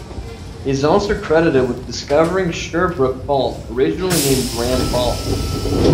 He is also credited with discovering Sherbrooke Falls, originally named Graham falls.